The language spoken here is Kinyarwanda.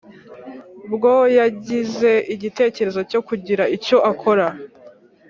bwo yagize igitekerezo cyo kugira icyo akora